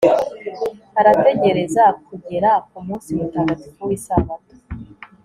arategereza kugera ku munsi mutagatifu w'isabato